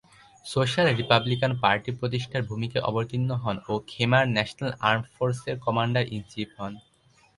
Social republican party প্রতিষ্ঠাতার ভূমিকায় অবতীর্ণ হন ও খেমার ন্যাশনাল আর্মড ফোর্সের কমান্ডার-ইন-চিফ হন।